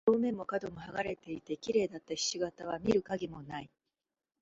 表面も角も剥がれていて、綺麗だった菱形は見る影もない。